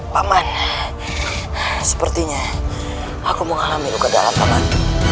paman sepertinya aku mengalami luka dalam paman